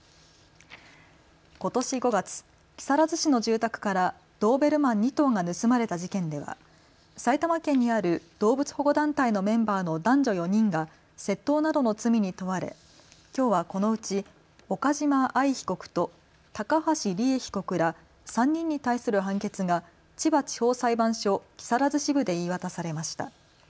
ことし５月、木更津市の住宅からドーベルマン２頭が盗まれた事件では埼玉県にある動物保護団体のメンバーの男女４人が窃盗などの罪に問われきょうはこのうち岡島愛被告と高橋里衣被告ら３人に対する判決が千葉地方裁判所木更津支部で言い渡されました。